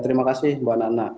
terima kasih mbak nana